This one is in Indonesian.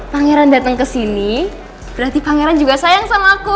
pangeran datang kesini berarti pangeran juga sayang sama aku